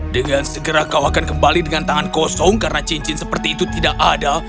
dengan segera kau akan kembali dengan tangan kosong karena cincin seperti itu tidak ada